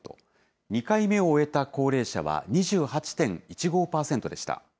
２回目を終えた高齢者は２８．１５％でした。